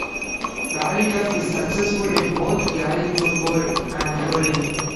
Ballyduff is successful in both Gaelic Football and Hurling.